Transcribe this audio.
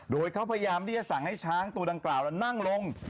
โดยเขาพยายามที่จะสั่งให้ช้างตัวดังกล่าวนั่งลง